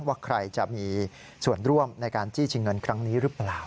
ว่าใครจะมีส่วนร่วมในการจี้ชิงเงินครั้งนี้หรือเปล่า